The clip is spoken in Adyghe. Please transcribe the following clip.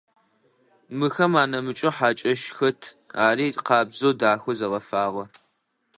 Мыхэм анэмыкӏэу хьакӏэщ хэт, ари къабзэу, дахэу зэгъэфагъэ.